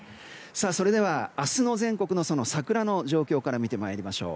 それでは明日の全国の桜の状況から見てまいりましょう。